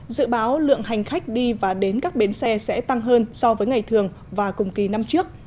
dự báo lượng hành khách đi và đến các bến xe sẽ tăng hơn so với ngày thường và cùng kỳ năm trước